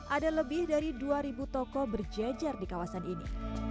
ada lebih dari dua toko berjejer di kawasan ini